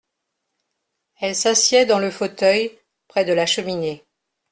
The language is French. Elle s’assied dans le fauteuil, près de la cheminée.